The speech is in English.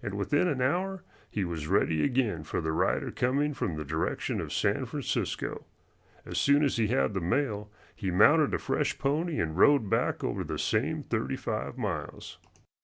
And within an hour he was ready again for the rider coming from the direction of San Francisco. As soon as he had the mail he mounted a fresh pony and rode back over the same thirty five miles.